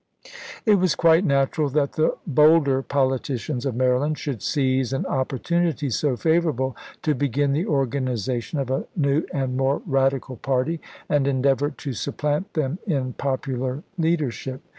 It was quite natural that the bolder politicians of Maryland should seize an opportunity so favorable to begin the organization of a new and more radical party, and endeavor to supplant them in popular leadership.